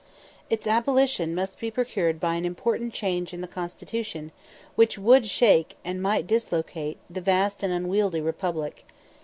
Its abolition must be procured by an important change in the constitution, which would shake, and might dislocate, the vast and unwieldy Republic.